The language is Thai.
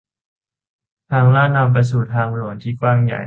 ทางลาดนำไปสู่ทางหลวงที่กว้างใหญ่